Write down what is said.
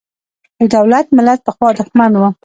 د دولت–ملت پخوا دښمن و.